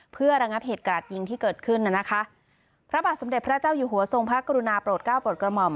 เพื่อระงับเหตุกราดยิงที่เกิดขึ้นน่ะนะคะพระบาทสมเด็จพระเจ้าอยู่หัวทรงพระกรุณาโปรดเก้าโปรดกระหม่อม